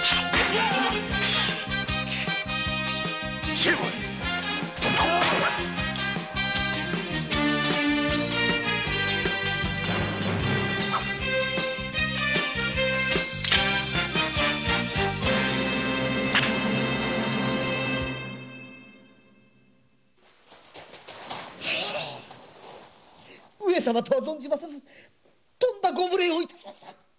成敗上様とは存じませずとんだご無礼をいたしました。